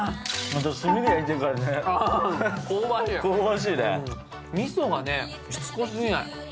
味噌がねしつこ過ぎない。